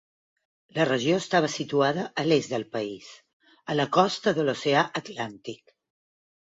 La regió estava situada a l'est del país, a la costa de l'oceà Atlàntic.